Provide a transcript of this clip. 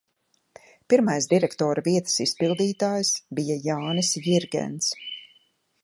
Pirmais direktora vietas izpildītājs bija Jānis Jirgens.